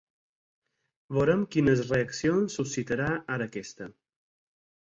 Veurem quines reaccions suscitarà ara aquesta.